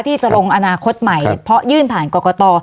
ที่จะลงอนาคตใหม่เพราะยื่นผ่านกรกต